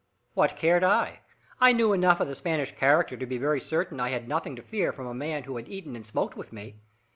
What cared I? I knew enough of the Spanish character to be very certain I had nothing to fear from a man who had eaten and smoked with me.